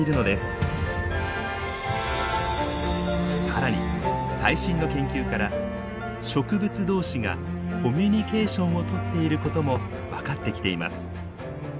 更に最新の研究から植物同士がコミュニケーションをとっていることも分かってきています。